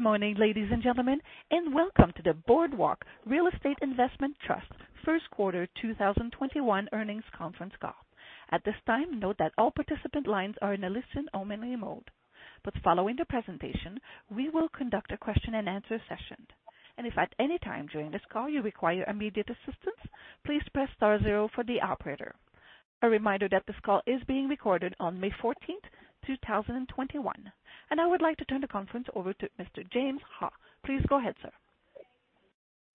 Good morning, ladies and gentlemen, and welcome to the Boardwalk Real Estate Investment Trust first quarter 2021 earnings conference call. At this time, note that all participant lines are in a listen-only mode, but following the presentation, we will conduct a question and answer session. If at any time during this call you require immediate assistance, please press star zero for the operator. A reminder that this call is being recorded on May 14th, 2021, and I would like to turn the conference over to Mr. James Ha. Please go ahead, sir.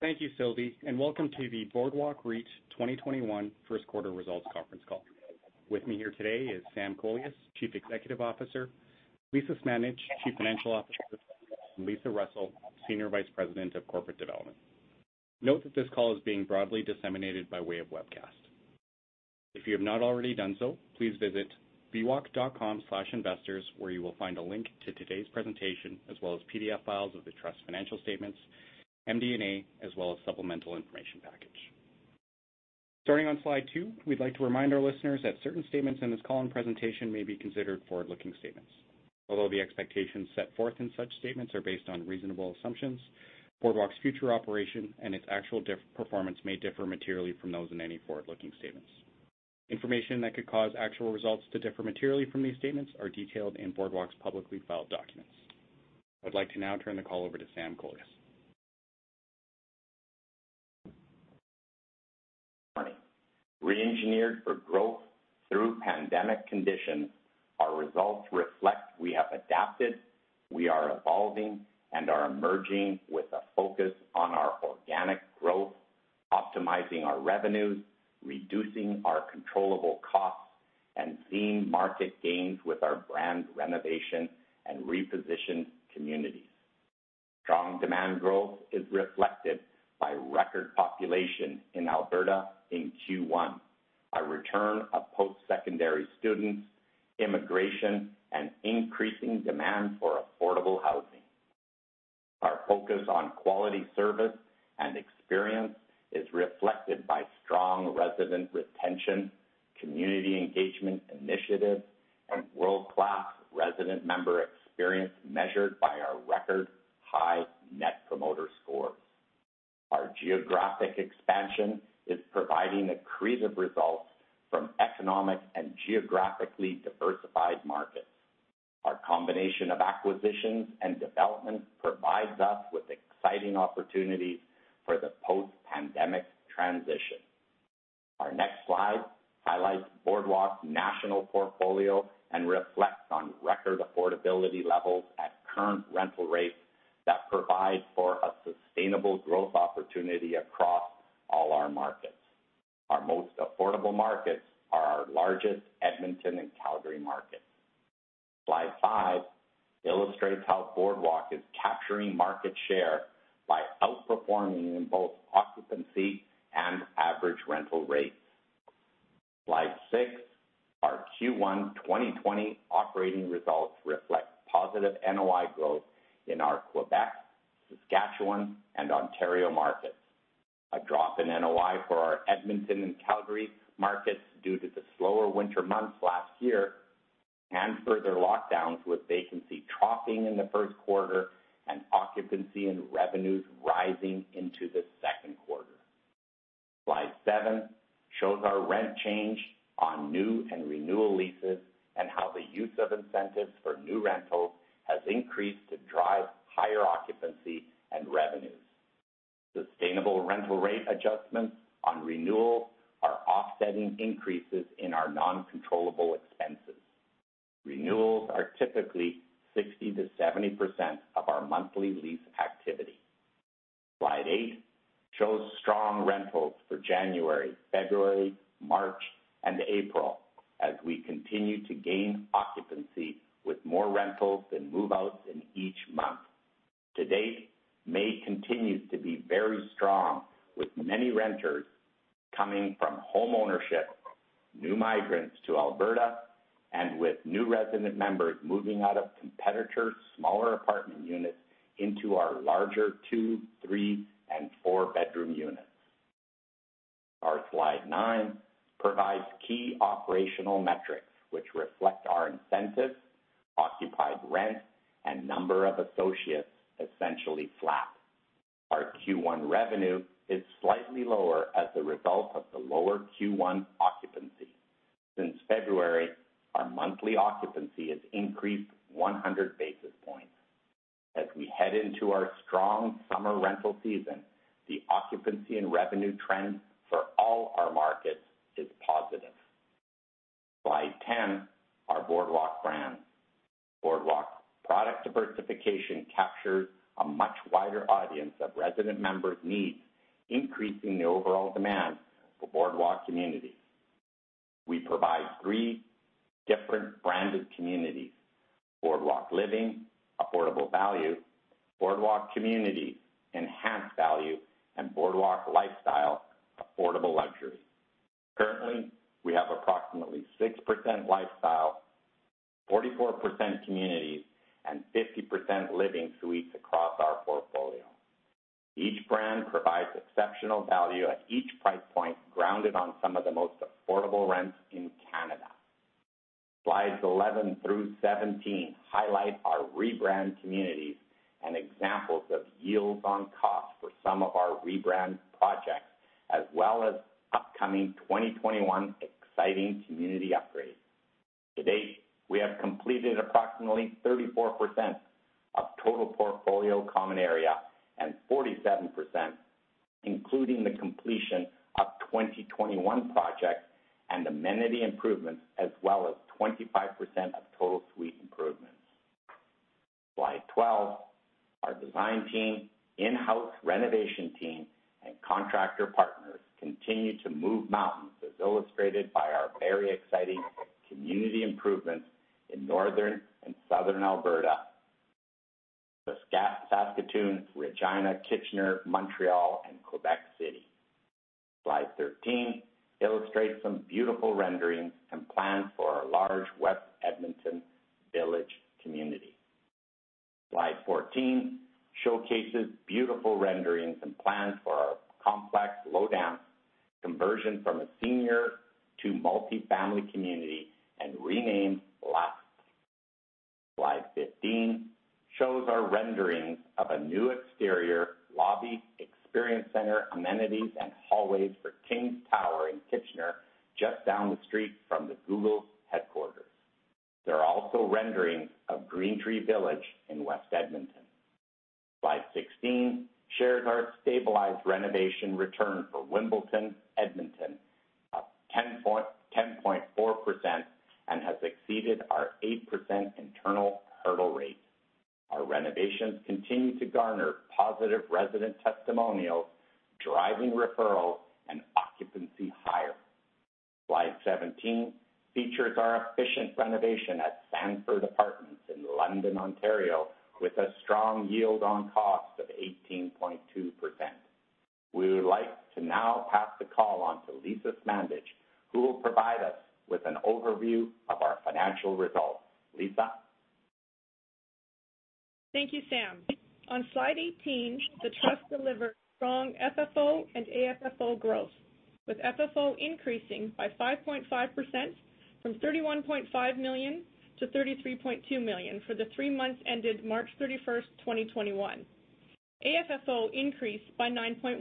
Thank you, Sylvie, and welcome to the Boardwalk REIT 2021 first quarter results conference call. With me here today is Sam Kolias, Chief Executive Officer, Lisa Smandych, Chief Financial Officer, and Lisa Russell, Senior Vice President of Corporate Development. Note that this call is being broadly disseminated by way of webcast. If you have not already done so, please visit bwalk.com/investors where you will find a link to today's presentation as well as PDF files of the Trust's financial statements, MD&A, as well as supplemental information package. Starting on slide two, we'd like to remind our listeners that certain statements in this call and presentation may be considered forward-looking statements. Although the expectations set forth in such statements are based on reasonable assumptions, Boardwalk's future operation and its actual performance may differ materially from those in any forward-looking statements. Information that could cause actual results to differ materially from these statements are detailed in Boardwalk's publicly filed documents. I'd like to now turn the call over to Sam Kolias. Good morning. Re-engineered for growth through pandemic conditions, our results reflect we have adapted, we are evolving, and are emerging with a focus on our organic growth, optimizing our revenues, reducing our controllable costs, and seeing market gains with our brand renovation and repositioned communities. Strong demand growth is reflected by record population in Alberta in Q1, a return of post-secondary students, immigration, and increasing demand for affordable housing. Our focus on quality service and experience is reflected by strong resident retention, community engagement initiatives, and world-class resident member experience measured by our record high net promoter scores. Our geographic expansion is providing accretive results from economic and geographically diversified markets. Our combination of acquisitions and development provides us with exciting opportunities for the post-pandemic transition. Our next slide highlights Boardwalk's national portfolio and reflects on record affordability levels at current rental rates that provide for a sustainable growth opportunity across all our markets. Our most affordable markets are our largest Edmonton and Calgary markets. Slide five illustrates how Boardwalk is capturing market share by outperforming in both occupancy and average rental rates. Slide six, our Q1 2020 operating results reflect positive NOI growth in our Quebec, Saskatchewan, and Ontario markets. A drop in NOI for our Edmonton and Calgary markets due to the slower winter months last year and further lockdowns, with vacancy dropping in the first quarter and occupancy and revenues rising into the second quarter. Slide seven shows our rent change on new and renewal leases and how the use of incentives for new rentals has increased to drive higher occupancy and revenues. Sustainable rental rate adjustments on renewals are offsetting increases in our non-controllable expenses. Renewals are typically 60%-70% of our monthly lease activity. Slide eight shows strong rentals for January, February, March, and April as we continue to gain occupancy with more rentals than move-outs in each month. To date, May continues to be very strong with many renters coming from home ownership, new migrants to Alberta, and with new resident members moving out of competitors' smaller apartment units into our larger two, three, and four-bedroom units. Our slide nine provides key operational metrics which reflect our incentives, occupied rents, and number of associates essentially flat. Our Q1 revenue is slightly lower as a result of the lower Q1 occupancy. Since February, our monthly occupancy has increased 100 basis points. As we head into our strong summer rental season, the occupancy and revenue trends for all our markets is positive. Slide 10, our Boardwalk brand. Boardwalk product diversification captures a much wider audience of resident members' needs, increasing the overall demand for Boardwalk communities. We provide three different branded communities, Boardwalk Living, affordable value, Boardwalk Community, enhanced value, and Boardwalk Lifestyle, affordable luxury. Currently, we have approximately 6% Lifestyle, 44% Community, and 50% Living suites across our portfolio. Each brand provides exceptional value at each price point grounded on some of the most affordable rents in Canada. Slides 11 through 17 highlight our rebrand communities and examples of yields on cost for some of our rebrand projects, as well as upcoming 2021 exciting community upgrades. To date, we have completed approximately 34% of total portfolio common area and 47%, including the completion of 2021 projects and amenity improvements, as well as 25% of total suite improvements. Slide 12, our design team, in-house renovation team, and contractor partners continue to move mountains, as illustrated by our very exciting community improvements in Northern and Southern Alberta. Saskatchewan, Saskatoon, Regina, Kitchener, Montreal, and Quebec City. Slide 13 illustrates some beautiful renderings and plans for our large West Edmonton Village community. Slide 14 showcases beautiful renderings and plans for our complex low-down conversion from a senior to multi-family community and renamed L'Astre. Slide 15 shows our renderings of a new exterior lobby, experience center, amenities, and hallways for King's Tower in Kitchener, just down the street from the Google headquarters. There are also renderings of Greentree Village in West Edmonton. Slide 16 shares our stabilized renovation return for Wimbledon, Edmonton of 10.4% and has exceeded our 8% internal hurdle rate. Our renovations continue to garner positive resident testimonials, driving referrals, and occupancy higher. Slide 17 features our efficient renovation at Sandford Apartments in London, Ontario with a strong yield on cost of 18.2%. We would like to now pass the call on to Lisa Smandych, who will provide us with an overview of our financial results. Lisa? Thank you, Sam. On slide 18, the trust delivered strong FFO and AFFO growth, with FFO increasing by 5.5% from 31.5 million to 33.2 million for the three months ended March 31st, 2021. AFFO increased by 9.1%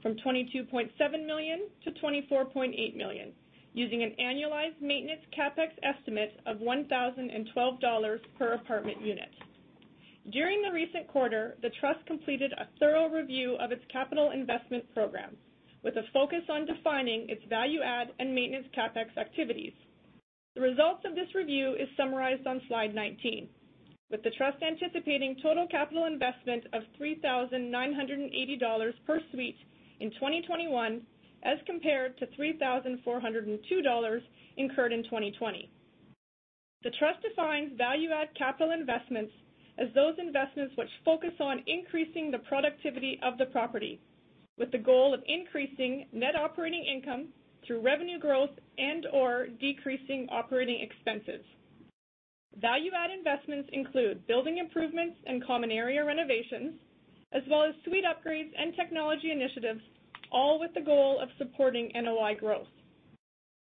from 22.7 million to 24.8 million using an annualized maintenance CapEx estimate of 1,012 dollars per apartment unit. During the recent quarter, the trust completed a thorough review of its capital investment program with a focus on defining its value add and maintenance CapEx activities. The results of this review is summarized on slide 19, with the trust anticipating total capital investment of 3,980 dollars per suite in 2021 as compared to 3,402 dollars incurred in 2020. The trust defines value-add capital investments as those investments which focus on increasing the productivity of the property with the goal of increasing net operating income through revenue growth and/or decreasing operating expenses. Value-add investments include building improvements and common area renovations, as well as suite upgrades and technology initiatives, all with the goal of supporting NOI growth.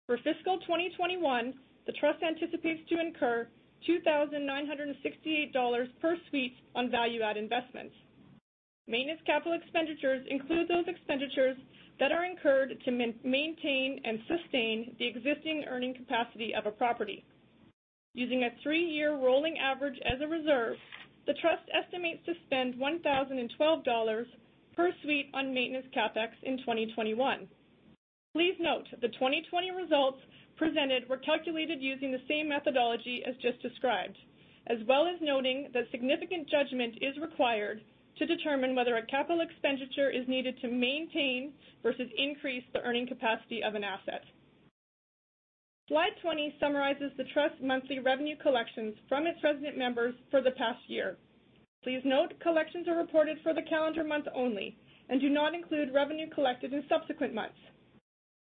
For fiscal 2021, the trust anticipates to incur 2,968 dollars per suite on value-add investments. Maintenance capital expenditures include those expenditures that are incurred to maintain and sustain the existing earning capacity of a property. Using a three-year rolling average as a reserve, the trust estimates to spend 1,012 dollars per suite on maintenance CapEx in 2021. Please note, the 2020 results presented were calculated using the same methodology as just described, as well as noting that significant judgment is required to determine whether a capital expenditure is needed to maintain versus increase the earning capacity of an asset. Slide 20 summarizes the trust's monthly revenue collections from its resident members for the past year. Please note, collections are reported for the calendar month only and do not include revenue collected in subsequent months.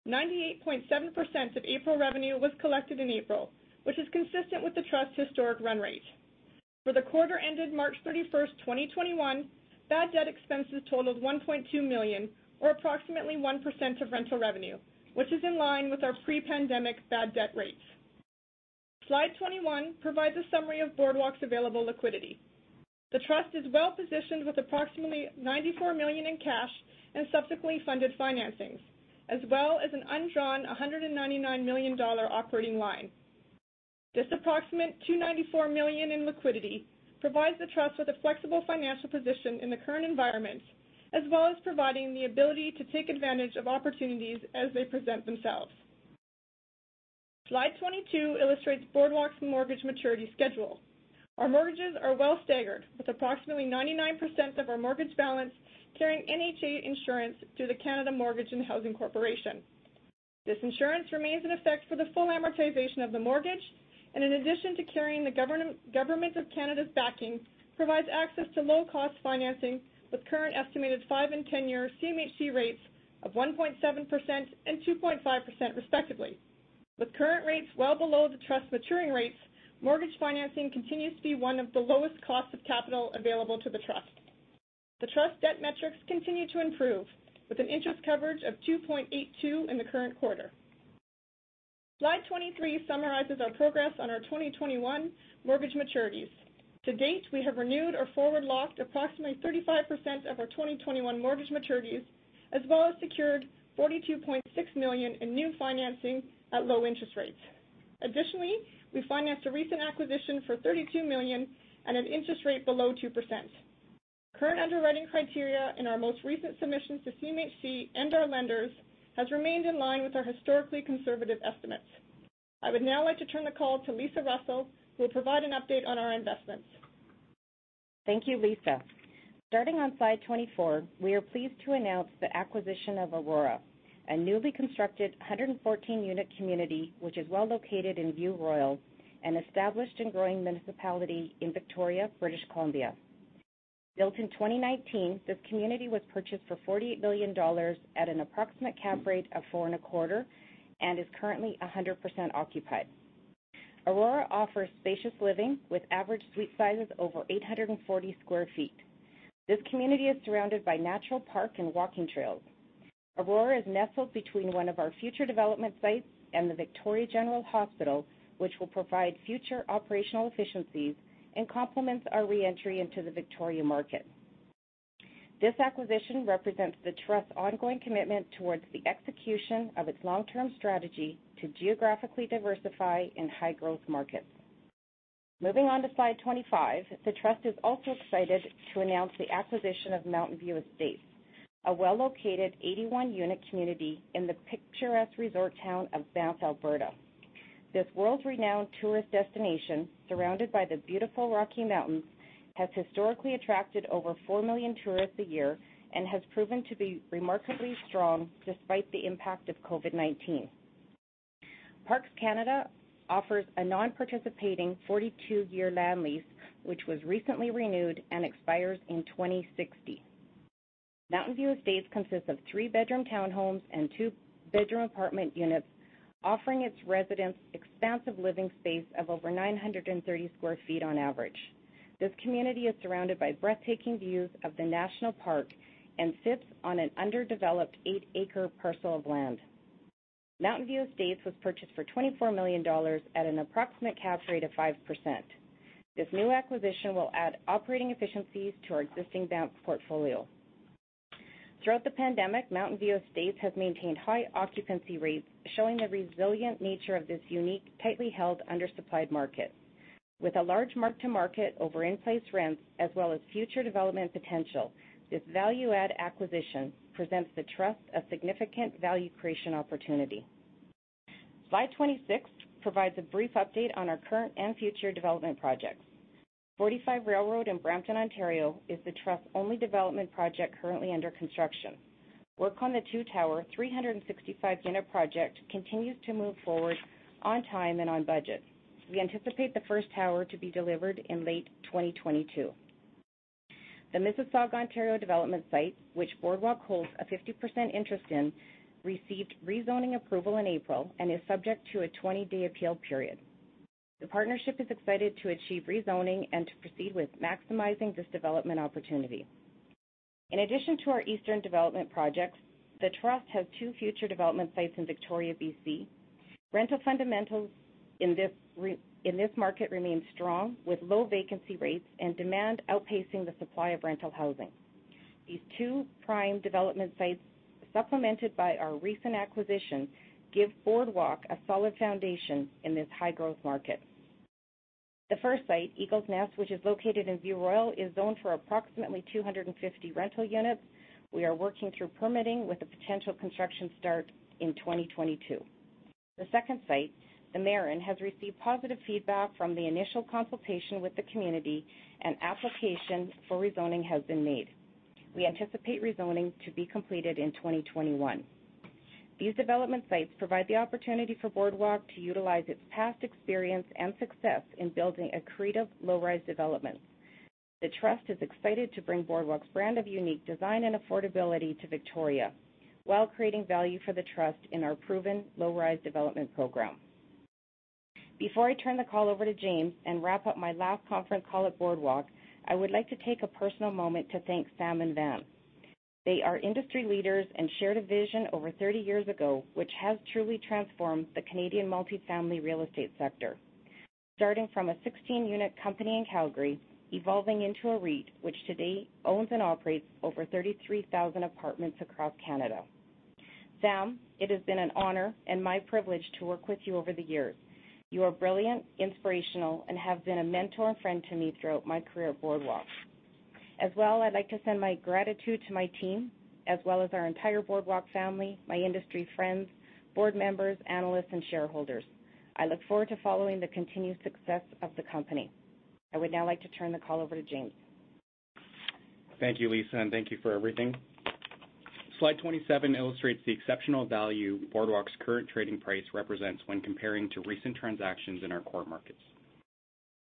98.7% of April revenue was collected in April, which is consistent with the trust's historic run rate. For the quarter ended March 31st, 2021, bad debt expenses totaled 1.2 million or approximately 1% of rental revenue, which is in line with our pre-pandemic bad debt rates. Slide 21 provides a summary of Boardwalk's available liquidity. The trust is well-positioned with approximately 94 million in cash and subsequently funded financings, as well as an undrawn 199 million dollar operating line. This approximate 294 million in liquidity provides the trust with a flexible financial position in the current environment, as well as providing the ability to take advantage of opportunities as they present themselves. Slide 22 illustrates Boardwalk's mortgage maturity schedule. Our mortgages are well staggered with approximately 99% of our mortgage balance carrying NHA insurance through the Canada Mortgage and Housing Corporation. This insurance remains in effect for the full amortization of the mortgage, and in addition to carrying the Government of Canada's backing, provides access to low-cost financing with current estimated 5- and 10-year CMHC rates of 1.7% and 2.5% respectively. With current rates well below the trust maturing rates, mortgage financing continues to be one of the lowest costs of capital available to the trust. The trust debt metrics continue to improve with an interest coverage of 2.82 in the current quarter. Slide 23 summarizes our progress on our 2021 mortgage maturities. To date, we have renewed or forward-locked approximately 35% of our 2021 mortgage maturities, as well as secured 42.6 million in new financing at low interest rates. Additionally, we financed a recent acquisition for 32 million at an interest rate below 2%. Current underwriting criteria in our most recent submissions to CMHC and our lenders has remained in line with our historically conservative estimates. I would now like to turn the call to Lisa Russell, who will provide an update on our investments. Thank you, Lisa. Starting on slide 24, we are pleased to announce the acquisition of Aurora, a newly constructed 114-unit community, which is well located in View Royal, an established and growing municipality in Victoria, British Columbia. Built in 2019, this community was purchased for 48 million dollars at an approximate cap rate of four and a quarter and is currently 100% occupied. Aurora offers spacious living with average suite sizes over 840 sq ft. This community is surrounded by natural parks and walking trails. Aurora is nestled between one of our future development sites and the Victoria General Hospital, which will provide future operational efficiencies and complements our re-entry into the Victoria market. This acquisition represents the trust's ongoing commitment towards the execution of its long-term strategy to geographically diversify in high-growth markets. Moving on to slide 25, the trust is also excited to announce the acquisition of Mountainview Estates, a well-located 81-unit community in the picturesque resort town of Banff, Alberta. This world-renowned tourist destination, surrounded by the beautiful Rocky Mountains, has historically attracted over 4 million tourists a year and has proven to be remarkably strong despite the impact of COVID-19. Parks Canada offers a non-participating 42-year land lease, which was recently renewed and expires in 2060. Mountainview Estates consists of three-bedroom townhomes and two-bedroom apartment units, offering its residents expansive living space of over 930 sq ft on average. This community is surrounded by breathtaking views of the national park and sits on an underdeveloped eight-acre parcel of land. Mountainview Estates was purchased for 24 million dollars at an approximate cap rate of 5%. This new acquisition will add operating efficiencies to our existing Banff portfolio. Throughout the pandemic, Mountainview Estates has maintained high occupancy rates, showing the resilient nature of this unique, tightly held, undersupplied market. With a large mark-to-market over in-place rents as well as future development potential, this value-add acquisition presents the trust a significant value creation opportunity. Slide 26 provides a brief update on our current and future development projects. 45 Railroad in Brampton, Ontario is the trust's only development project currently under construction. Work on the two-tower, 365-unit project continues to move forward on time and on budget. We anticipate the first tower to be delivered in late 2022. The Mississauga, Ontario development site, which Boardwalk holds a 50% interest in, received rezoning approval in April and is subject to a 20-day appeal period. The partnership is excited to achieve rezoning and to proceed with maximizing this development opportunity. In addition to our eastern development projects, the trust has two future development sites in Victoria, B.C. Rental fundamentals in this market remain strong, with low vacancy rates and demand outpacing the supply of rental housing. These two prime development sites, supplemented by our recent acquisition, give Boardwalk a solid foundation in this high-growth market. The first site, Eagle's Nest, which is located in View Royal, is zoned for approximately 250 rental units. We are working through permitting with a potential construction start in 2022. The second site, The Marin, has received positive feedback from the initial consultation with the community, and applications for rezoning have been made. We anticipate rezoning to be completed in 2021. These development sites provide the opportunity for Boardwalk to utilize its past experience and success in building accretive low-rise developments. The trust is excited to bring Boardwalk's brand of unique design and affordability to Victoria while creating value for the trust in our proven low-rise development program. Before I turn the call over to James and wrap up my last conference call at Boardwalk, I would like to take a personal moment to thank Sam and Van. They are industry leaders and shared a vision over 30 years ago, which has truly transformed the Canadian multifamily real estate sector. Starting from a 16-unit company in Calgary, evolving into a REIT, which today owns and operates over 33,000 apartments across Canada. Sam, it has been an honor and my privilege to work with you over the years. You are brilliant, inspirational, and have been a mentor and friend to me throughout my career at Boardwalk. I'd like to send my gratitude to my team, as well as our entire Boardwalk Family, my industry friends, board members, analysts, and shareholders. I look forward to following the continued success of the company. I would now like to turn the call over to James. Thank you, Lisa, and thank you for everything. Slide 27 illustrates the exceptional value Boardwalk's current trading price represents when comparing to recent transactions in our core markets.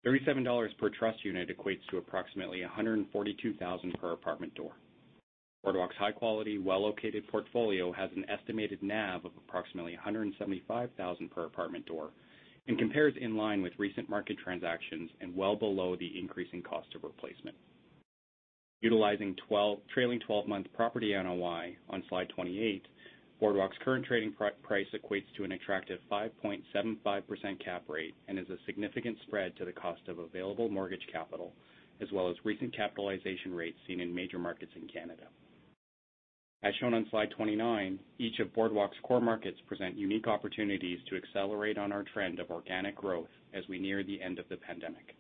37 dollars per trust unit equates to approximately 142,000 per apartment door. Boardwalk's high-quality, well-located portfolio has an estimated NAV of approximately 175,000 per apartment door and compares in line with recent market transactions and well below the increasing cost of replacement. Utilizing trailing 12-month property NOI on slide 28, Boardwalk's current trading price equates to an attractive 5.75% cap rate and is a significant spread to the cost of available mortgage capital, as well as recent capitalization rates seen in major markets in Canada. As shown on slide 29, each of Boardwalk's core markets present unique opportunities to accelerate on our trend of organic growth as we near the end of the pandemic.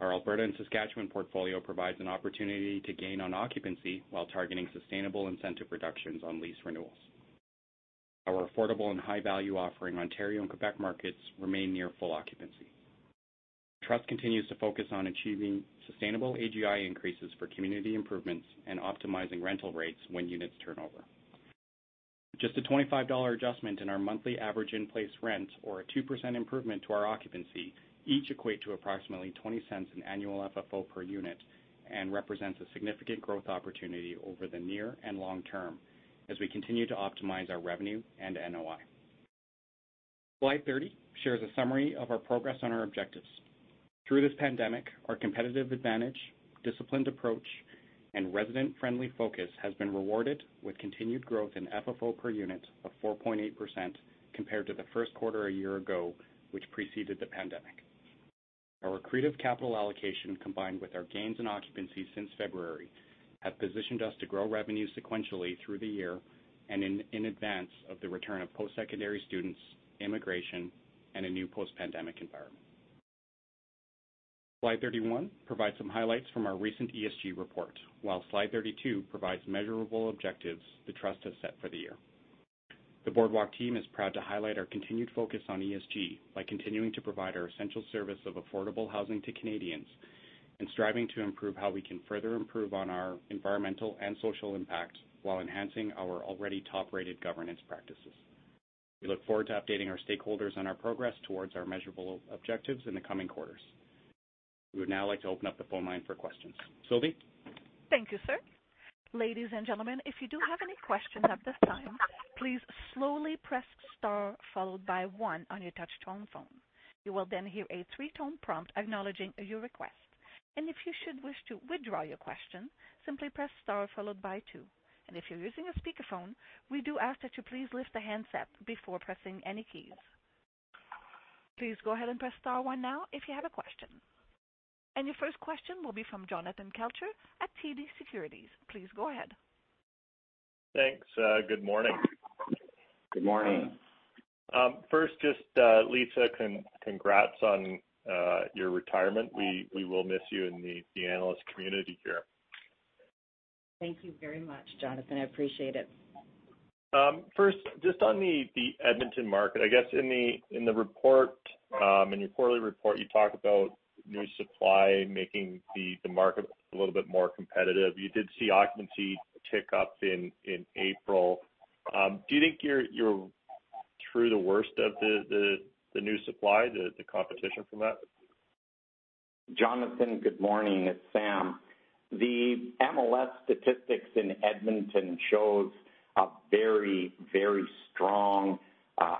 Our Alberta and Saskatchewan portfolio provides an opportunity to gain on occupancy while targeting sustainable incentive reductions on lease renewals. Our affordable and high-value offering Ontario and Quebec markets remain near full occupancy. Trust continues to focus on achieving sustainable AGI increases for community improvements and optimizing rental rates when units turn over. Just a 25 dollar adjustment in our monthly average in-place rents or a 2% improvement to our occupancy each equate to approximately 0.20 in annual FFO per unit and represents a significant growth opportunity over the near and long term as we continue to optimize our revenue and NOI. Slide 30 shares a summary of our progress on our objectives. Through this pandemic, our competitive advantage, disciplined approach, and resident-friendly focus has been rewarded with continued growth in FFO per unit of 4.8% compared to the first quarter a year ago, which preceded the pandemic. Our accretive capital allocation, combined with our gains in occupancy since February, have positioned us to grow revenue sequentially through the year and in advance of the return of post-secondary students, immigration, and a new post-pandemic environment. Slide 31 provides some highlights from our recent ESG report, while Slide 32 provides measurable objectives the trust has set for the year. The Boardwalk team is proud to highlight our continued focus on ESG by continuing to provide our essential service of affordable housing to Canadians and striving to improve how we can further improve on our environmental and social impact while enhancing our already top-rated governance practices. We look forward to updating our stakeholders on our progress towards our measurable objectives in the coming quarters. We would now like to open up the phone line for questions. Sylvie? Thank you, sir. Ladies and gentlemen, if you do have any questions at this time, please slowly press star followed by one on your touch-tone phone. You will then hear a three-tone prompt acknowledging your request. If you should wish to withdraw your question, simply press star followed by two. If you're using a speakerphone, we do ask that you please lift the handset before pressing any keys. Please go ahead and press star one now if you have a question. The first question will be from Jonathan Kelcher at TD Securities. Please go ahead. Thanks. Good morning. Good morning. First, just Lisa, congrats on your retirement. We will miss you in the analyst community here. Thank you very much, Jonathan. I appreciate it. First, just on the Edmonton market. I guess in the quarterly report, you talk about new supply making the market a little bit more competitive. You did see occupancy tick up in April. Do you think you're through the worst of the new supply, the competition from that? Jonathan, good morning. It's Sam. The MLS statistics in Edmonton shows a very, very strong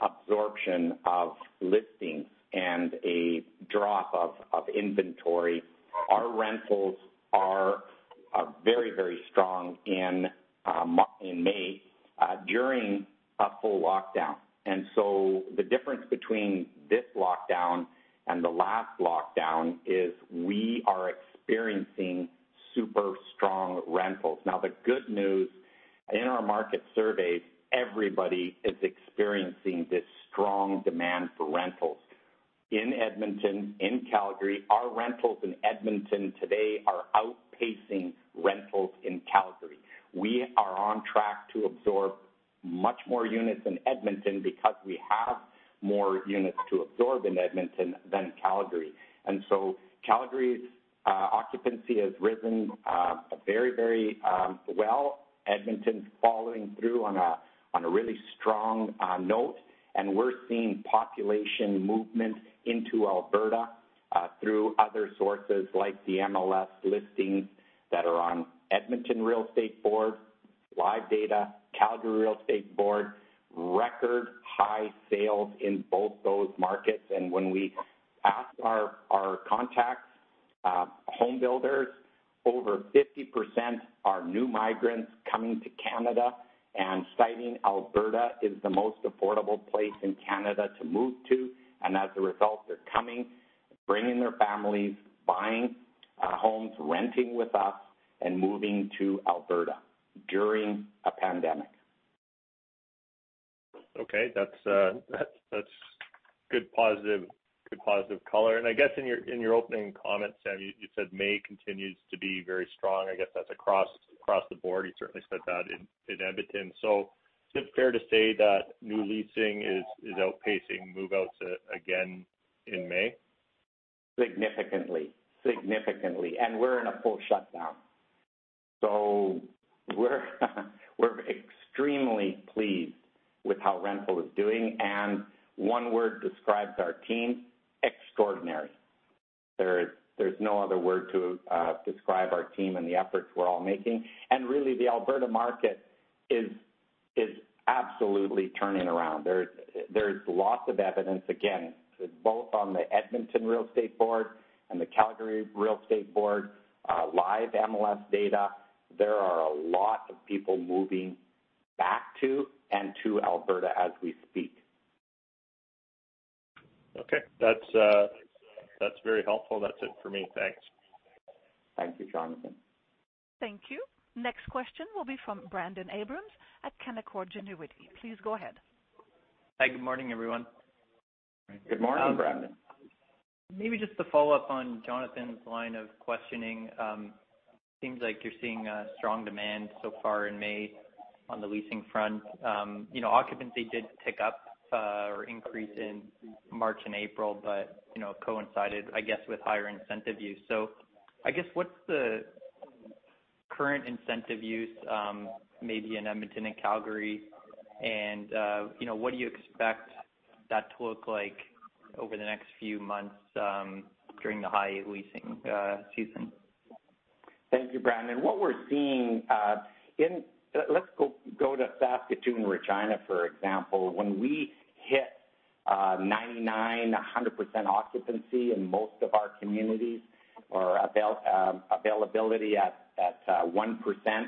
absorption of listings and a drop of inventory. Our rentals are very, very strong in May during a full lockdown. The difference between this lockdown and the last lockdown is we are experiencing super strong rentals. Now, the good news, in our market surveys, everybody is experiencing this strong demand for rentals in Edmonton, in Calgary. Our rentals in Edmonton today are outpacing rentals in Calgary. We are on track to absorb much more units in Edmonton because we have more units to absorb in Edmonton than in Calgary. Calgary's occupancy has risen very, very well. Edmonton's following through on a really strong note, and we're seeing population movements into Alberta through other sources like the MLS listings that are on Edmonton Real Estate Board, Live Data, Calgary Real Estate Board, record high sales in both those markets. When we ask our contract home builders, over 50% are new migrants coming to Canada and citing Alberta is the most affordable place in Canada to move to. As a result, they're coming, bringing their families, buying homes, renting with us, and moving to Alberta during a pandemic. Okay. That's good positive color. I guess in your opening comments, Sam, you said May continues to be very strong. I guess that's across the board. You certainly said that in Edmonton. Is it fair to say that new leasing is outpacing move-outs again in May? Significantly. We're in a full shutdown. We're extremely pleased with how rental is doing, and one word describes our team, extraordinary. There's no other word to describe our team and the efforts we're all making. Really, the Alberta market is absolutely turning around. There's lots of evidence, again, both on the Edmonton Real Estate Board and the Calgary Real Estate Board, live MLS data. There are a lot of people moving back to and to Alberta as we speak. Okay. That's very helpful. That's it for me. Thanks. Thank you, Jonathan. Thank you. Next question will be from Brendon Abrams at Canaccord Genuity. Please go ahead. Hi. Good morning, everyone. Good morning, Brendon. Maybe just to follow up on Jonathan's line of questioning. Seems like you're seeing a strong demand so far in May on the leasing front. Occupancy did pick up or increase in March and April, but coincided, I guess, with higher incentive use. I guess, what's the current incentive use maybe in Edmonton and Calgary and what do you expect that to look like over the next few months during the high leasing season? Thank you, Brendon. What we're seeing. Let's go to Saskatoon and Regina, for example. When we hit 99%, 100% occupancy in most of our communities or availability at 1%,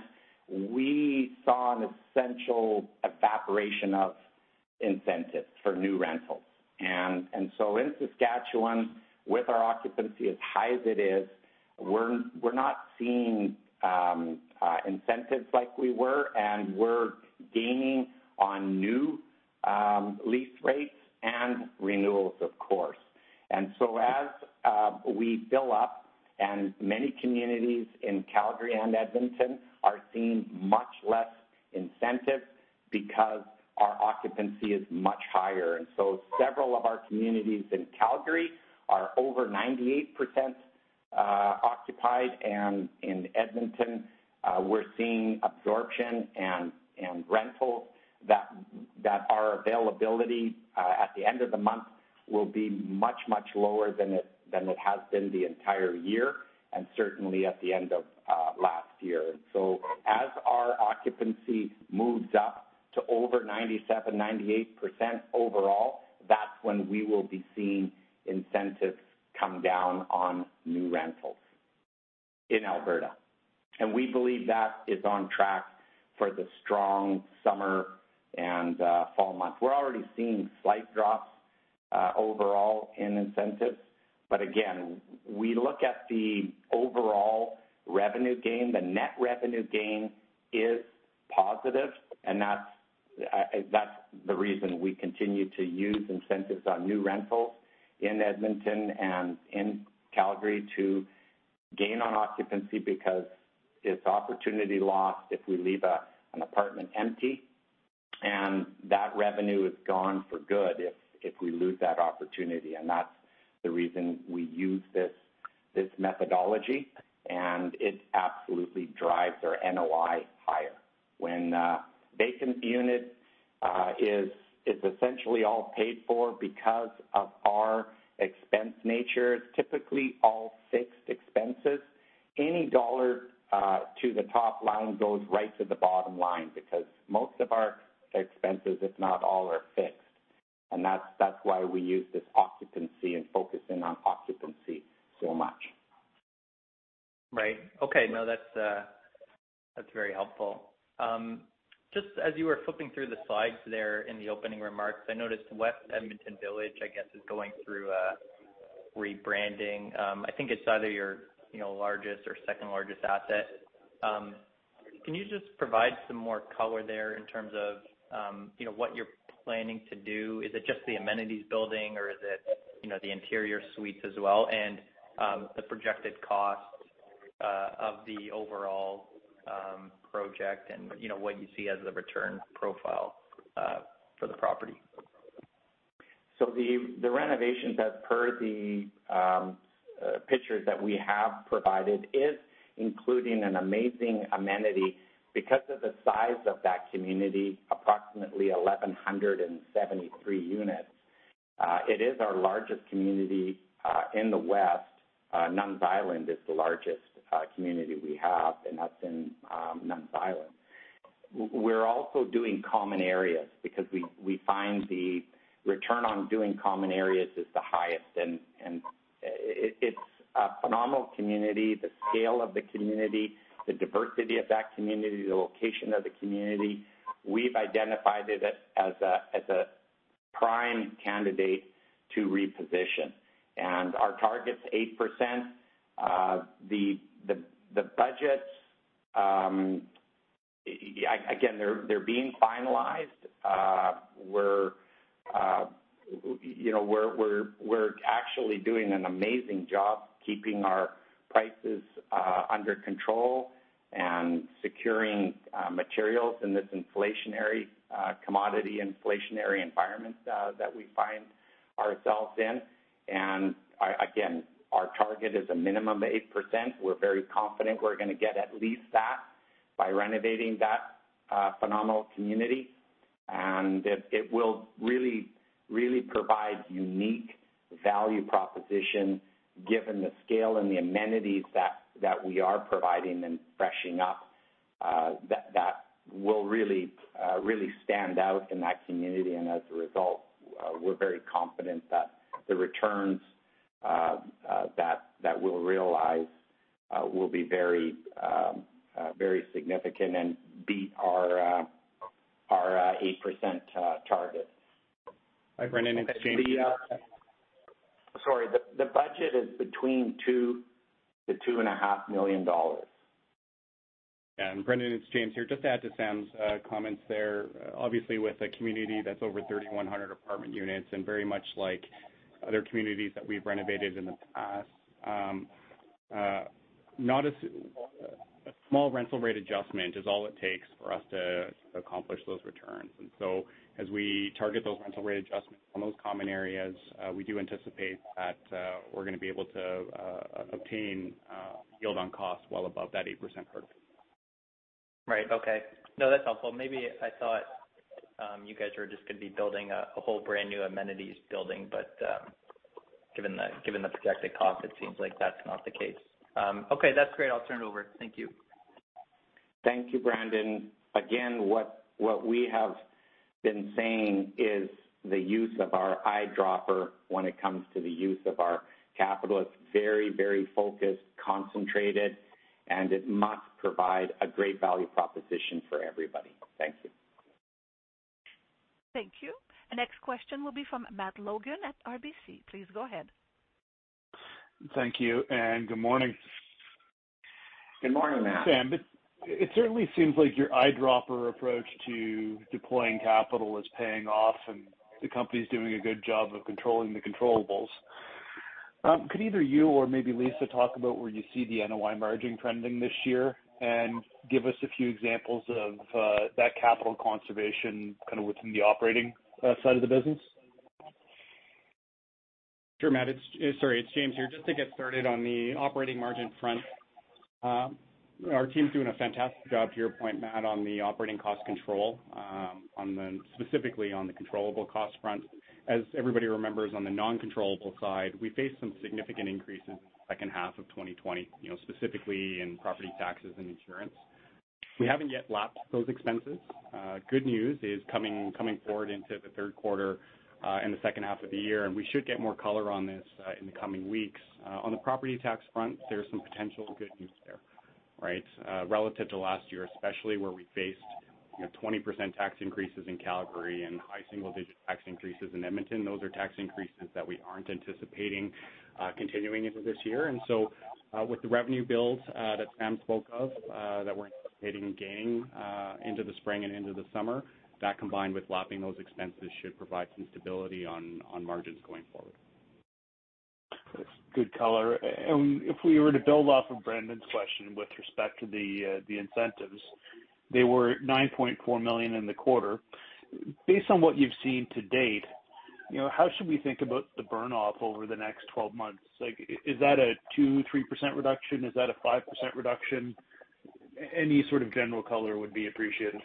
we saw an essential evaporation of incentives for new rentals. In Saskatchewan, with our occupancy as high as it is, we're not seeing incentives like we were, and we're gaining on new lease rates and renewals, of course. As we fill up and many communities in Calgary and Edmonton are seeing much less incentive because our occupancy is much higher. Several of our communities in Calgary are over 98% occupied. In Edmonton, we're seeing absorption and rentals that our availability at the end of the month will be much, much lower than it has been the entire year and certainly at the end of last year. As our occupancy moves up to over 97%, 98% overall, that's when we will be seeing incentives come down on new rentals in Alberta. We believe that is on track for the strong summer and fall months. We're already seeing slight drops overall in incentives, but again, we look at the overall revenue gain. The net revenue gain is positive, and that's the reason we continue to use incentives on new rentals in Edmonton and in Calgary to gain on occupancy because it's opportunity lost if we leave an apartment empty, and that revenue is gone for good if we lose that opportunity. That's the reason we use this methodology, and it absolutely drives our NOI higher. When a vacant unit is essentially all paid for because of our expense nature, it's typically all fixed expenses. Any dollar to the top line goes right to the bottom line because most of our expenses, if not all, are fixed. That's why we use this occupancy and focusing on occupancy so much. Right. Okay. No, that's very helpful. Just as you were flipping through the slides there in the opening remarks, I noticed West Edmonton Village, I guess, is going through a rebranding. I think it's either your largest or second-largest asset. Can you just provide some more color there in terms of what you're planning to do? Is it just the amenities building or is it the interior suites as well, and the projected cost of the overall project and what you see as the return profile for the property? The renovations, as per the pictures that we have provided, is including an amazing amenity because of the size of that community, approximately 1,173 units. It is our largest community in the west. Nun's Island is the largest community we have, and that's in Nun's Island. We're also doing common areas because we find the return on doing common areas is the highest, and it's a phenomenal community. The scale of the community, the diversity of that community, the location of the community. We've identified it as a prime candidate to reposition, and our target's 8%. The budgets, again, they're being finalized. We're actually doing an amazing job keeping our prices under control and securing materials in this commodity inflationary environment that we find ourselves in. Again, our target is a minimum of 8%. We're very confident we're going to get at least that by renovating that phenomenal community. It will really provide unique value proposition given the scale and the amenities that we are providing and freshening up that will really stand out in that community. As a result, we're very confident that the returns that we'll realize will be very significant and beat our 8% targets. Hi, Brendon. It's James. Sorry, the budget is between 2 million-2.5 million dollars. Yeah. Brendon, it's James here. Just to add to Sam's comments there. Obviously, with a community that's over 3,100 apartment units and very much like other communities that we've renovated in the past. A small rental rate adjustment is all it takes for us to accomplish those returns. As we target those rental rate adjustments in those common areas, we do anticipate that we're going to be able to obtain yield on cost well above that 8% target. Right. Okay. No, that's helpful. Maybe I thought you guys were just going to be building a whole brand new amenities building, but given the projected cost, it seems like that's not the case. Okay, that's great. I'll turn it over. Thank you. Thank you, Brendon. Again, what we have been saying is the use of our eyedropper when it comes to the use of our capital. It's very focused, concentrated, and it must provide a great value proposition for everybody. Thank you. Thank you. The next question will be from Matt Logan at RBC. Please go ahead. Thank you and good morning. Good morning, Matt. Sam, it certainly seems like your eyedropper approach to deploying capital is paying off and the company's doing a good job of controlling the controllables. Could either you or maybe Lisa talk about where you see the NOI margin trending this year and give us a few examples of that capital conservation kind of within the operating side of the business? Sure, Matt. Sorry, it's James here. Just to get started on the operating margin front. Our team's doing a fantastic job to your point, Matt, on the operating cost control, specifically on the controllable cost front. As everybody remembers, on the non-controllable side, we faced some significant increases in the second half of 2020, specifically in property taxes and insurance. We haven't yet lapped those expenses. Good news is coming forward into the third quarter in the second half of the year, and we should get more color on this in the coming weeks. On the property tax front, there's some potential good news there, right? Relative to last year especially, where we faced 20% tax increases in Calgary and high single-digit tax increases in Edmonton. Those are tax increases that we aren't anticipating continuing into this year. With the revenue build that Sam spoke of that we're anticipating gaining into the spring and into the summer, that combined with lapping those expenses should provide some stability on margins going forward. Good color. If we were to build off of Brendon's question with respect to the incentives, they were at 9.4 million in the quarter. Based on what you've seen to date, how should we think about the burn-off over the next 12 months? Is that a 2%, 3% reduction? Is that a 5% reduction? Any sort of general color would be appreciated.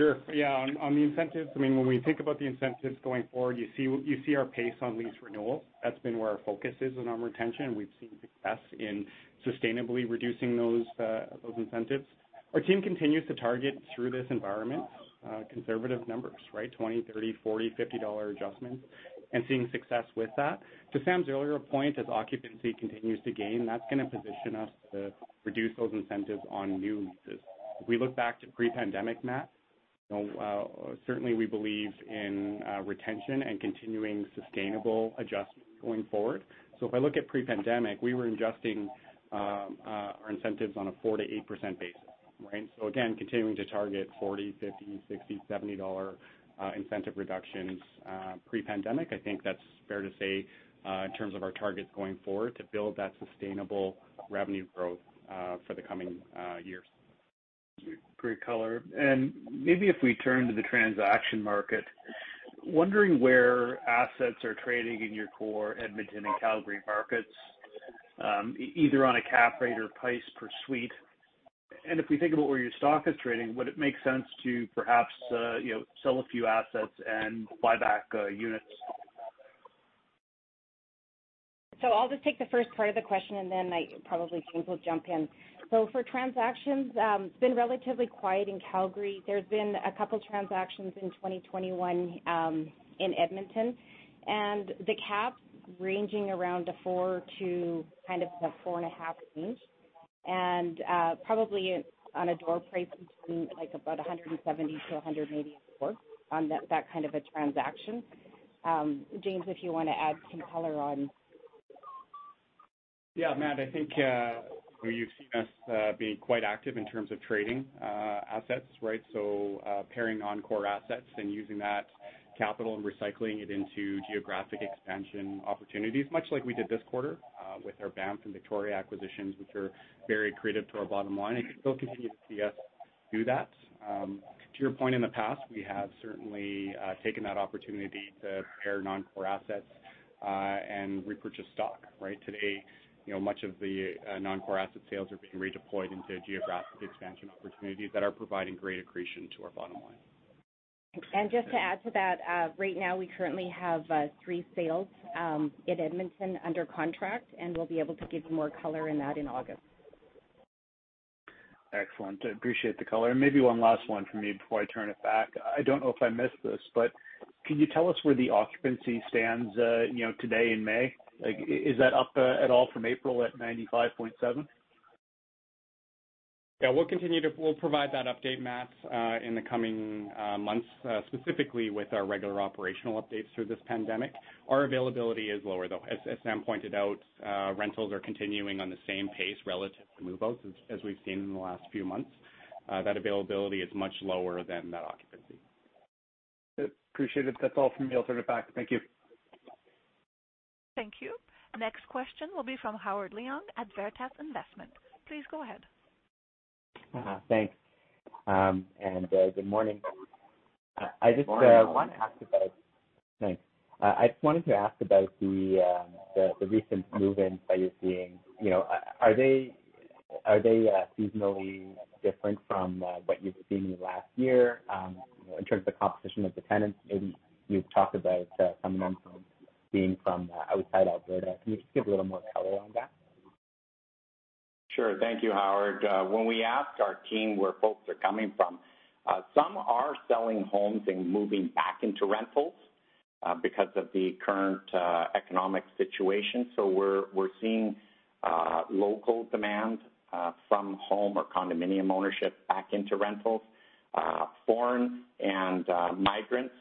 Sure. Yeah. On the incentives, when we think about the incentives going forward, you see our pace on lease renewals. That's been where our focus is on our retention, and we've seen success in sustainably reducing those incentives. Our team continues to target through this environment conservative numbers, right? 20, 30, 40, 50 dollar adjustments and seeing success with that. To Sam's earlier point, as occupancy continues to gain, that's going to position us to reduce those incentives on new leases. If we look back to pre-pandemic, Matt, certainly we believe in retention and continuing sustainable adjustments going forward. If I look at pre-pandemic, we were adjusting our incentives on a 4%-8% basis, right? Again, continuing to target 40, 50, 60, 70 dollar incentive reductions pre-pandemic. I think that's fair to say in terms of our targets going forward to build that sustainable revenue growth for the coming years. Great color. Maybe if we turn to the transaction market, wondering where assets are trading in your core Edmonton and Calgary markets, either on a cap rate or price per suite. If we think about where your stock is trading, would it make sense to perhaps sell a few assets and buy back units? I'll just take the first part of the question and then probably James will jump in. For transactions, it's been relatively quiet in Calgary. There's been a couple transactions in 2021 in Edmonton and the cap ranging around a 4% to kind of 4.5% range and probably on a dwell rate between about 170-184 on that kind of a transaction. James, if you want to add some color on. Yeah, Matt, I think you've seen us being quite active in terms of trading assets, right? Paring non-core assets and using that capital and recycling it into geographic expansion opportunities, much like we did this quarter with our Banff and Victoria acquisitions, which are very accretive to our bottom line. You'll continue to see us do that. To your point, in the past, we have certainly taken that opportunity to pare non-core assets and repurchase stock. Right? Today, much of the non-core asset sales are being redeployed into geographic expansion opportunities that are providing great accretion to our bottom line. Just to add to that, right now we currently have three sales in Edmonton under contract, and we'll be able to give more color on that in August. Excellent. I appreciate the color. Maybe one last one from me before I turn it back. I don't know if I missed this, but can you tell us where the occupancy stands today in May? Is that up at all from April at 95.7%? Yeah, we'll provide that update, Matt, in the coming months, specifically with our regular operational updates through this pandemic. Our availability is lower, though. As Sam pointed out, rentals are continuing on the same pace relative to move-outs, as we've seen in the last few months. That availability is much lower than the occupancy. Appreciate it. That's all from me. I'll turn it back. Thank you. Thank you. The next question will be from Howard Leung at Veritas Investments. Please go ahead. Thanks. Good morning. Good morning. Thanks. I just wanted to ask about the recent move-ins that you're seeing. Are they seasonally different from what you've seen last year in terms of competition with the tenants? You've talked about some rentals being from outside Alberta. Can you give a little more color on that? Sure. Thank you, Howard. When we ask our team where folks are coming from, some are selling homes and moving back into rentals because of the current economic situation. We're seeing local demand from home or condominium ownership back into rentals. Foreign and migrants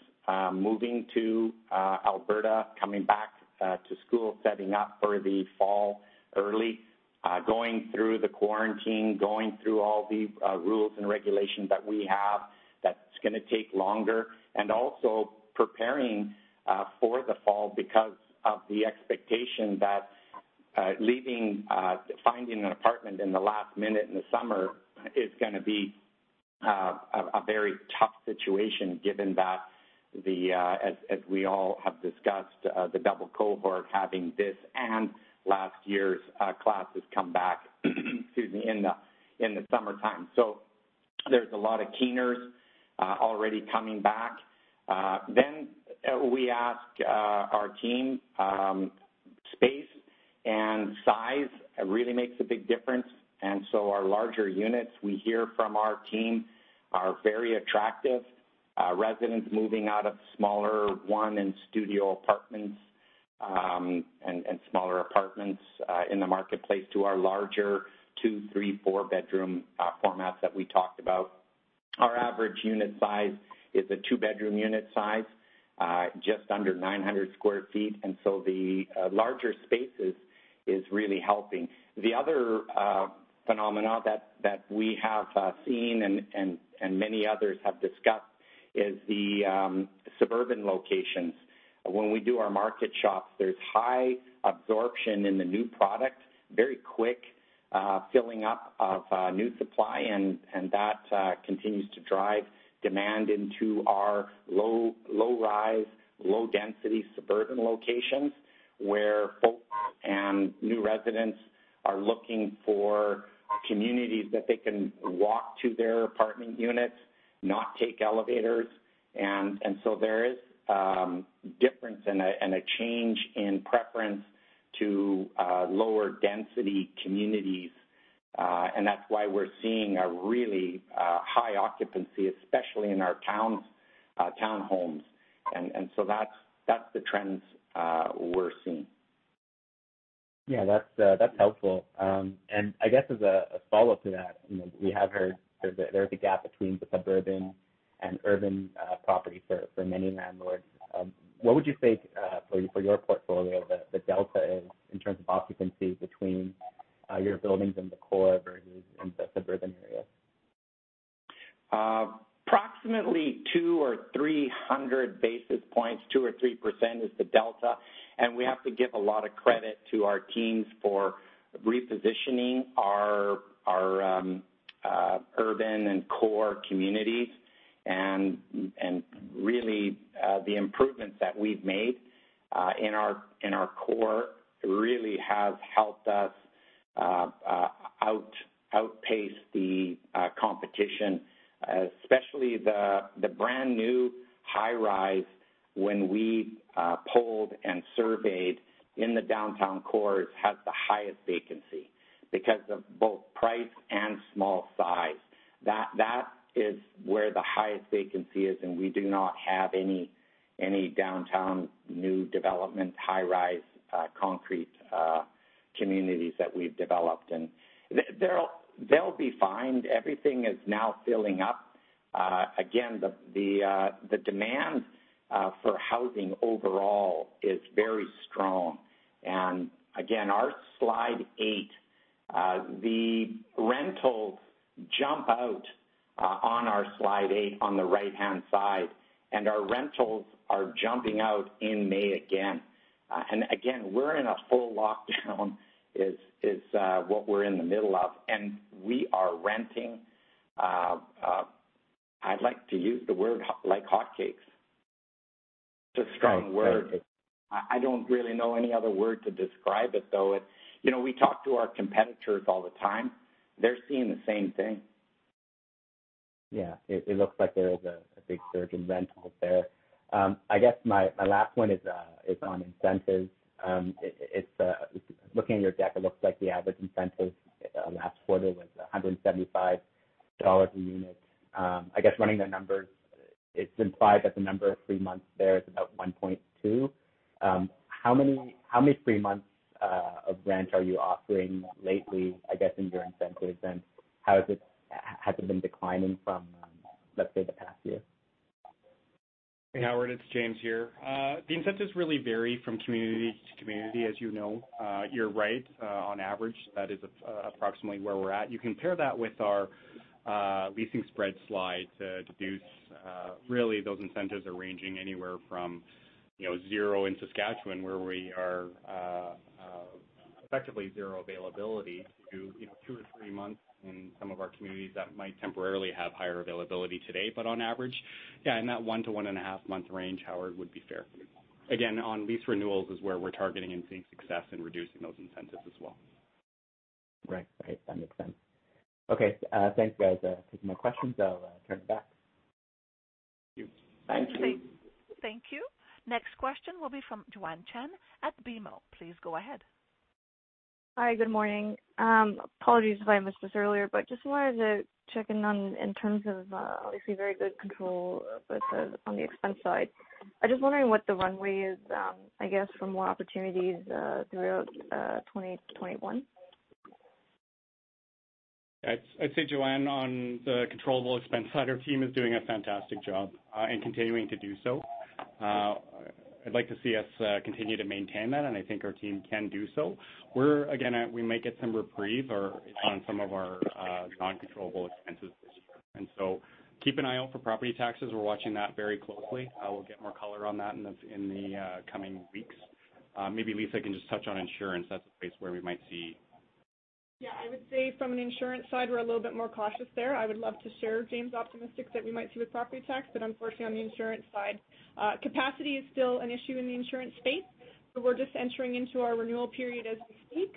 moving to Alberta, coming back to school, setting up for the fall early, going through the quarantine, going through all the rules and regulations that we have, that's going to take longer. Also preparing for the fall because of the expectation that finding an apartment in the last minute in the summer is going to be a very tough situation given that, as we all have discussed, the double cohort having this and last year's classes come back in the summertime. There's a lot of keeners already coming back. We ask our team, space and size really makes a big difference. Our larger units, we hear from our team are very attractive. Residents moving out of smaller one and studio apartments, and smaller apartments in the marketplace to our larger two, three, four-bedroom formats that we talked about. Our average unit size is a two-bedroom unit size, just under 900 sq ft. The larger spaces is really helping. The other phenomenon that we have seen and many others have discussed is the suburban locations. When we do our market shops, there's high absorption in the new product, very quick filling up of new supply, and that continues to drive demand into our low-rise, low-density suburban locations where folks and new residents are looking for communities that they can walk to their apartment units, not take elevators. There is difference and a change in preference to lower-density communities. That's why we're seeing a really high occupancy, especially in our townhomes. That's the trends we're seeing. Yeah, that's helpful. I guess as a follow-up to that, we have heard there's a gap between the suburban and urban properties for many landlords. What would you say for your portfolio the delta is in terms of occupancy between your buildings in the core versus in the suburban areas? Approximately 200 or 300 basis points, 2% or 3% is the delta. We have to give a lot of credit to our teams for repositioning our urban and core communities. Really the improvements that we've made in our core really have helped us outpace the competition, especially the brand-new high-rise when we polled and surveyed in the downtown core. It had the highest vacancy because of both price and small size. That is where the highest vacancy is, and we do not have any downtown new developments, high-rise concrete communities that we've developed. They'll be fine. Everything is now filling up. Again, the demand for housing overall is very strong. Again, our slide eight, the rentals jump out on our slide eight on the right-hand side. Our rentals are jumping out in May again. Again, we're in a full lockdown, is what we're in the middle of, and we are renting. I'd like to use the word like hotcakes to describe words. Right. I don't really know any other word to describe it, though. We talk to our competitors all the time. They're seeing the same thing. Yeah. It looks like there is a big surge in rentals there. I guess my last one is on incentives. Looking at your deck, it looks like the average incentive last quarter was 175 dollars a unit. I guess running the numbers, it implies that the number of free months there is about 1.2. How many free months of rent are you offering lately, I guess, in your incentives, and has it been declining from, let's say, the past year? Hey, Howard, it's James here. The incentives really vary from community to community, as you know. You're right. On average, that is approximately where we're at. You can pair that with our leasing spread slide to deduce really those incentives are ranging anywhere from zero in Saskatchewan, where we are effectively zero availability to two to three months in some of our communities that might temporarily have higher availability today. On average, yeah, in that one to one and a half month range, Howard, would be fair for you. Again, on lease renewals is where we're targeting and seeing success in reducing those incentives as well. Right. That makes sense. Okay. Thanks, guys. That's it for my questions. I'll turn it back. Thank you. Thank you. Thank you. Next question will be from Joanne Chen at BMO. Please go ahead. Hi. Good morning. Apologies if I missed this earlier, but just wanted to check in on, in terms of, obviously very good control on the expense side. I'm just wondering what the runway is, I guess, for more opportunities throughout 2021. I'd say, Joanne, on the controllable expense side, our team is doing a fantastic job and continuing to do so. I'd like to see us continue to maintain that, and I think our team can do so. We might get some reprieve on some of our non-controllable expenses this year, and so keep an eye out for property taxes. We're watching that very closely. We'll get more color on that in the coming weeks. Maybe Lisa can just touch on insurance. That's a place where we might see. I would say from an insurance side, we're a little bit more cautious there. I would love to share James' optimistic that we might see with property tax, but unfortunately on the insurance side, capacity is still an issue in the insurance space. We're just entering into our renewal period as we speak,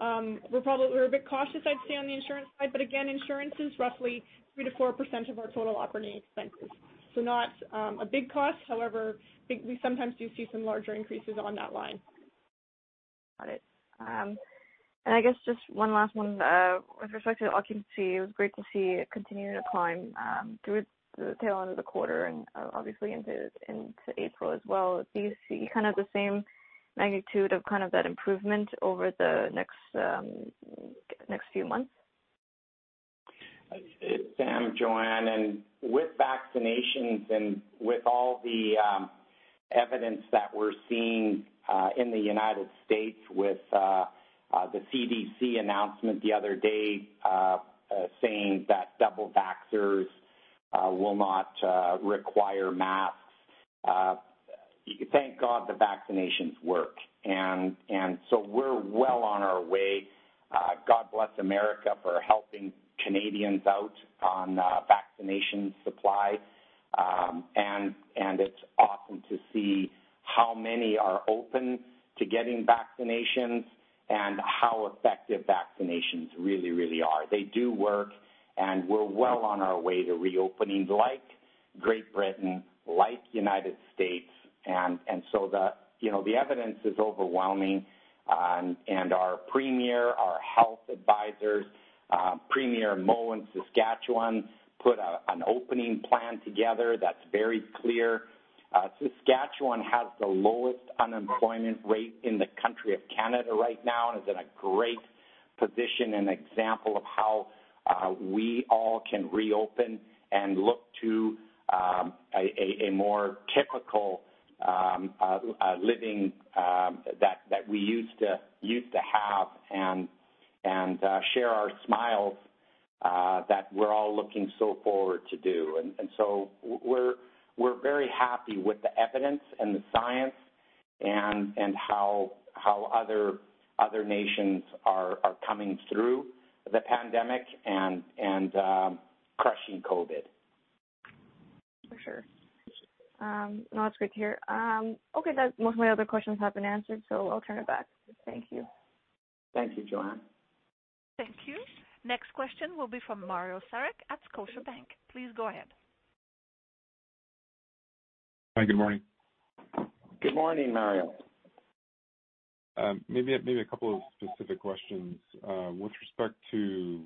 we're a bit cautious I'd say on the insurance side, but again, insurance is roughly 3%-4% of our total operating expenses. Not a big cost, however, we sometimes do see some larger increases on that line. Got it. I guess just one last one. With respect to the occupancy, it was great to see it continuing to climb through the tail end of the quarter and obviously into April as well. Do you see kind of the same magnitude of that improvement over the next few months? Sam, Joanne. With vaccinations and with all the evidence that we're seeing in the U.S. with the CDC announcement the other day saying that double vaxxers will not require masks. Thank God the vaccinations work, we're well on our way. God bless the America for helping Canadians out on vaccination supply. It's awesome to see how many are open to getting vaccinations and how effective vaccinations really are. They do work, we're well on our way to reopening like Great Britain, like the United States. The evidence is overwhelming. Our premier, our health advisors, Premier Moe in Saskatchewan, put an opening plan together that's very clear. Saskatchewan has the lowest unemployment rate in the country of Canada right now and is in a great position and example of how we all can reopen and look to a more typical living that we used to have and share our smiles that we're all looking so forward to do. We're very happy with the evidence and the science and how other nations are coming through the pandemic and crushing COVID. For sure. No, that's great to hear. Okay. Most of my other questions have been answered, so I'll turn it back. Thank you. Thank you, Joanne. Thank you. Next question will be from Mario Saric at Scotiabank. Please go ahead. Hi, good morning. Good morning, Mario. Maybe a couple of specific questions. With respect to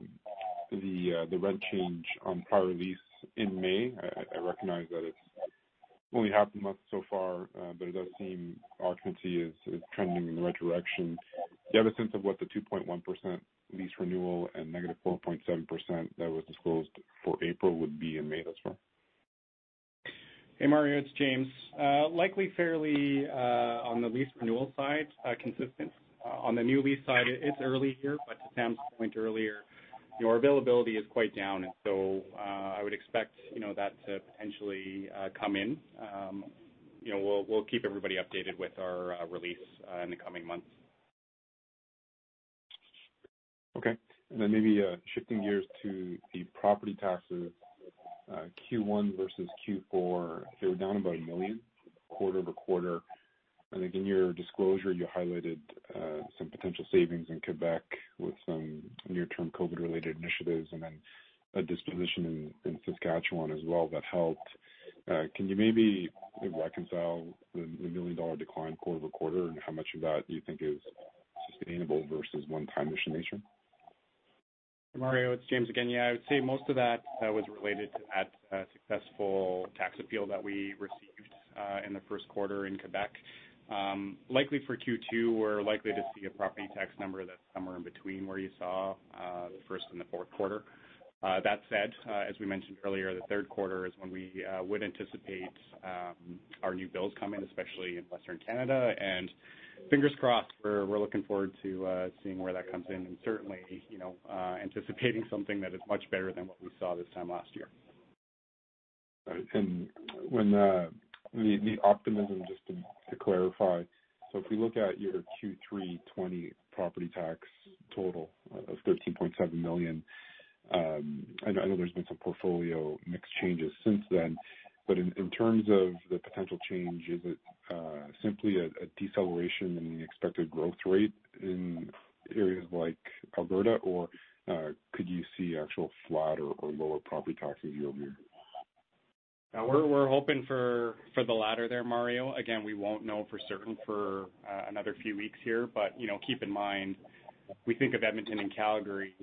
the rent change on prior lease in May, I recognize that it's only half the month so far, but it does seem occupancy is trending in the right direction. Do you have a sense of what the 2.1% lease renewal and negative 4.7% that was disclosed for April would be in May thus far? Hey, Mario, it's James. Likely fairly on the lease renewal side, consistent. On the new lease side, it's early here, but to Sam's point earlier. Our availability is quite down. I would expect that to potentially come in. We'll keep everybody updated with our release in the coming months. Okay. Then maybe shifting gears to the property taxes, Q1 versus Q4, they were down by 1 million quarter-over-quarter. I think in your disclosure, you highlighted some potential savings in Quebec with some near-term COVID-related initiatives then a disposition in Saskatchewan as well that helped. Can you maybe reconcile the million-dollar decline quarter-over-quarter, how much of that do you think is sustainable versus one-time in nature? Mario, it's James again. Yeah, I would say most of that was related to that successful tax appeal that we received in the first quarter in Quebec. Likely for Q2, we're likely to see a property tax number that's somewhere in between where you saw the first and the fourth quarter. That said, as we mentioned earlier, the third quarter is when we would anticipate our new bills coming, especially in Western Canada, and fingers crossed, we're looking forward to seeing where that comes in and certainly, anticipating something that is much better than what we saw this time last year. Got it. The optimism, just to clarify, so if we look at your Q3 2020 property tax total of 13.7 million, I know there's been some portfolio mix changes since then. In terms of the potential change, is it simply a deceleration in the expected growth rate in areas like Alberta, or could you see actual flat or lower property taxes year-over-year? We're hoping for the latter there, Mario. We won't know for certain for another few weeks here. Keep in mind, we think of Edmonton and Calgary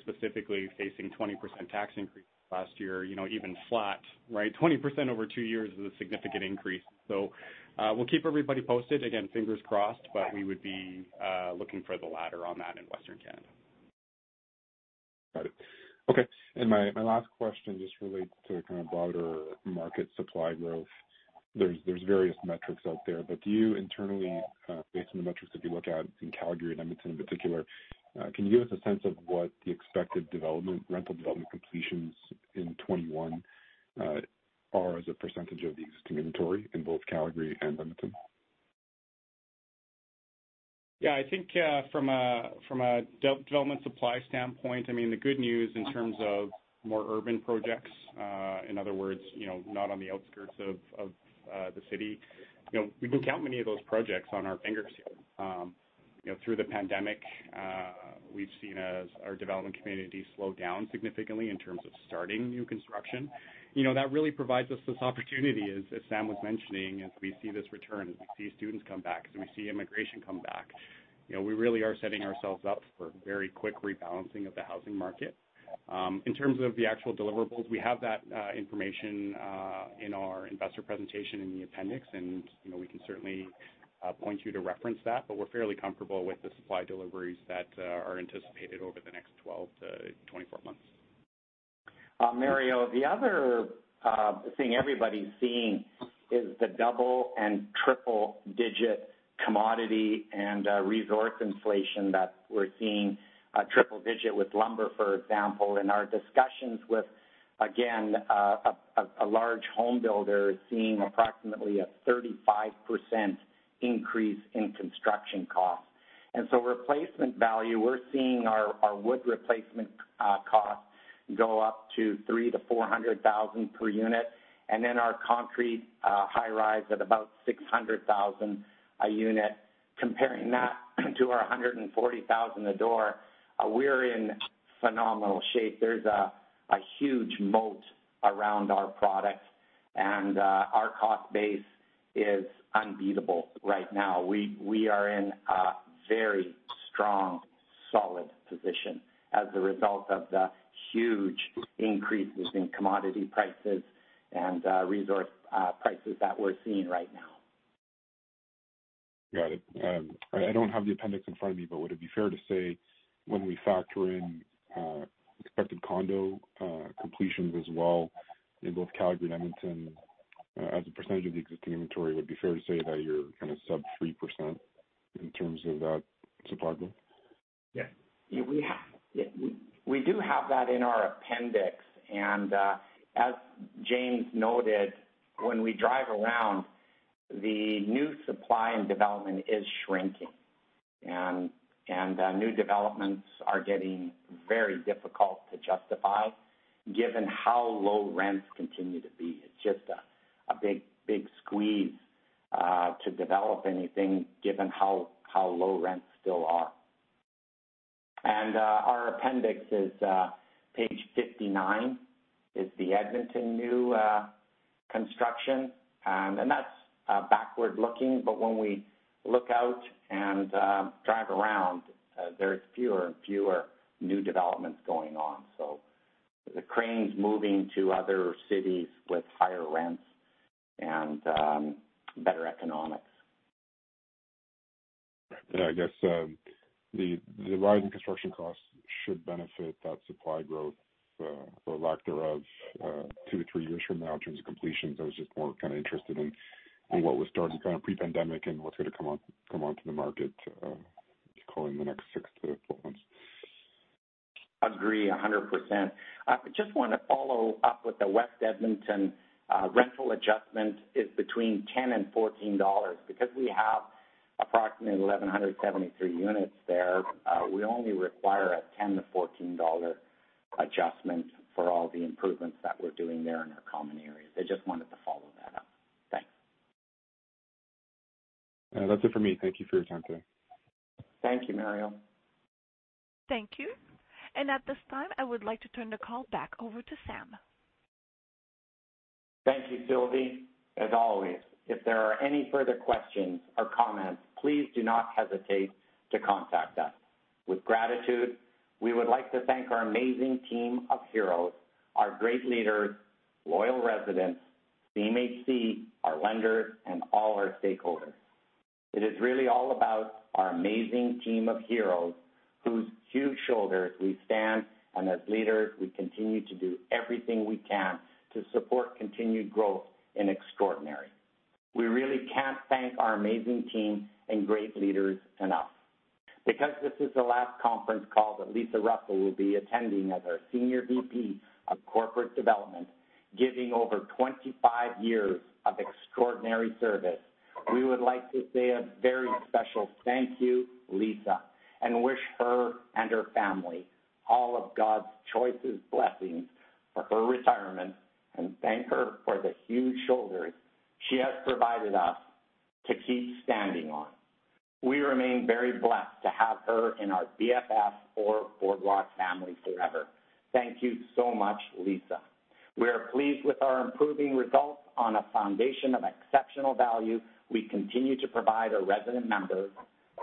specifically facing 20% tax increase last year, even flat, right? 20% over two years is a significant increase. We'll keep everybody posted. Fingers crossed, but we would be looking for the latter on that in Western Canada. Got it. Okay, my last question just relates to kind of broader market supply growth. There's various metrics out there. Do you internally, based on the metrics that you look at in Calgary and Edmonton in particular, can you give us a sense of what the expected rental development completions in 2021 are as a % of the existing inventory in both Calgary and Edmonton? Yeah, I think from a development supply standpoint, the good news in terms of more urban projects, in other words, not on the outskirts of the city, we can count many of those projects on our fingers here. Through the pandemic, we've seen our development community slow down significantly in terms of starting new construction. That really provides us this opportunity, as Sam was mentioning, as we see this return, as we see students come back, as we see immigration come back. We really are setting ourselves up for very quick rebalancing of the housing market. In terms of the actual deliverables, we have that information in our investor presentation in the appendix, and we can certainly point you to reference that, but we're fairly comfortable with the supply deliveries that are anticipated over the next 12-24 months. Mario, the other thing everybody's seeing is the double and triple-digit commodity and resource inflation that we're seeing. Triple digit with lumber, for example. In our discussions with, again, a large home builder seeing approximately a 35% increase in construction costs. Replacement value, we're seeing our wood replacement costs go up to 300,000-400,000 per unit and in our concrete high-rise at about 600,000 a unit. Comparing that to our 140,000 a door, we're in phenomenal shape. There's a huge moat around our product, and our cost base is unbeatable right now. We are in a very strong, solid position as a result of the huge increases in commodity prices and resource prices that we're seeing right now. Got it. I don't have the appendix in front of me, but would it be fair to say when we factor in expected condo completions as well in both Calgary and Edmonton as a percentage of the existing inventory, would it be fair to say that you're kind of sub 3% in terms of that supply growth? Yeah. We do have that in our appendix. As James noted, when we drive around, the new supply and development is shrinking. New developments are getting very difficult to justify given how low rents continue to be. It's just a big squeeze to develop anything given how low rents still are. Our appendix is page 59, is the Edmonton new construction. That's backward-looking. When we look out and drive around, there's fewer and fewer new developments going on. The cranes moving to other cities with higher rents and better economics. I guess the rise in construction costs should benefit that supply growth, for lack thereof, two to three years from now in terms of completions, those that we're kind of interested in on what was started kind of pre-pandemic and what's going to come onto the market probably in the next 6-12 months. Agree 100%. I just want to follow up with the West Edmonton rental adjustment is between 10 and 14 dollars. Because we have approximately 1,173 units there, we only require a 10-14 dollar adjustment for all the improvements that we're doing there in our common areas. I just wanted to follow that up. Thanks. That's it for me. Thank you for your time today. Thank you, Mario. Thank you. At this time, I would like to turn the call back over to Sam. Thank you, Sylvie. As always, if there are any further questions or comments, please do not hesitate to contact us. With gratitude, we would like to thank our amazing team of heroes, our great leaders, loyal residents, CMHC, our lenders, and all our stakeholders. It is really all about our amazing team of heroes, whose huge shoulders we stand on. As leaders, we continue to do everything we can to support continued growth in extraordinary. We really can't thank our amazing team and great leaders enough. Because this is the last conference call that Lisa Russell will be attending as our Senior VP of Corporate Development, giving over 25 years of extraordinary service, we would like to say a very special thank you, Lisa, and wish her and her family all of God's choicest blessings for her retirement, and thank her for the huge shoulders she has provided us to keep standing on. We remain very blessed to have her in our BFF or Boardwalk family forever. Thank you so much, Lisa. We are pleased with our improving results on a foundation of exceptional value we continue to provide our resident members,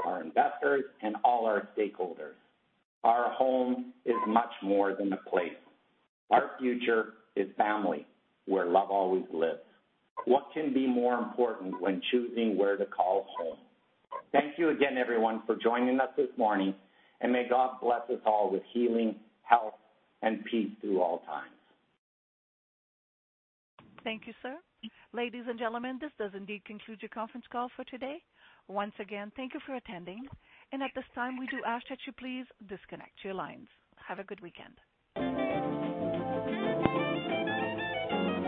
our investors, and all our stakeholders. Our home is much more than a place. Our future is family, where love always lives. What can be more important when choosing where to call home? Thank you again, everyone, for joining us this morning, and may God bless us all with healing, health, and peace through all times. Thank you, Sam. Ladies and gentlemen, this does indeed conclude your conference call for today. Once again, thank you for attending, and at this time, we do ask that you please disconnect your lines. Have a good weekend.